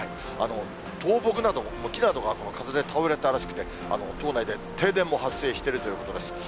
倒木など、木などが風で倒れたらしくて、島内で停電も発生しているということです。